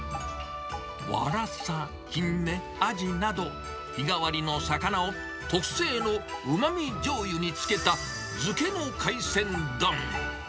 ワラサ、キンメ、アジなど、日替わりの魚を特製のうまみじょうゆに漬けた、漬けの海鮮丼。